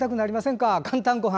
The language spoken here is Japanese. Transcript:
「かんたんごはん」。